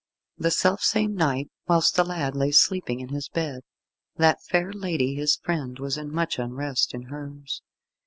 The self same night, whilst the lad lay sleeping in his bed, that fair lady, his friend, was in much unrest in hers.